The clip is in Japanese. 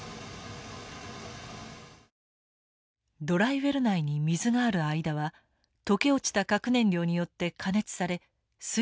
ドライウェル内に水がある間は溶け落ちた核燃料によって加熱され水蒸気が発生。